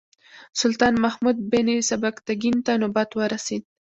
سلطان محمود بن سبکتګین ته نوبت ورسېد.